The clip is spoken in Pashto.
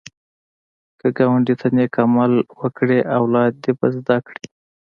که ګاونډي ته نېک عمل وکړې، اولاد دې به زده کړي